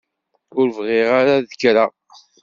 Ur bɣiɣ ara ad d-kkreɣ!